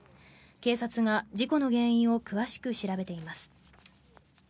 警察が事故の原因を詳しく調べています。